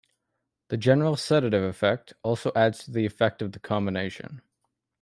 The general sedative effect also adds to the effect of the combination.